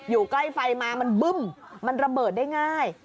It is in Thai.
อยู่ใกล้ไฟมามันบึ้มมันระเบิดได้ง่าย